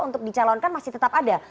untuk dicalonkan masih tetap ada